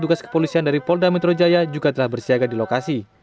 dan petugas kepolisian dari polda metro jaya juga telah bersiaga di lokasi